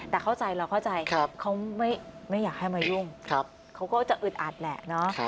แต่เข้าใจเราเข้าใจเขาไม่อยากให้มายุ่งเขาก็จะอึดอัดแหละเนาะ